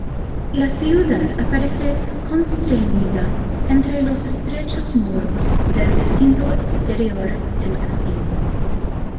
La ciudad aparece constreñida entre los estrechos muros del recinto exterior del Castillo.